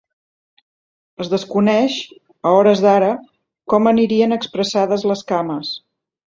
Es desconeix, a hores d’ara, com anirien expressades les cames.